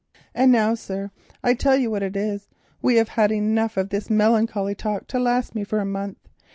And now, sir, I tell you what it is, we have had enough of this melancholy talk to last me for a month.